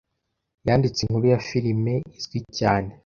yanditse inkuru ya firime izwi cyane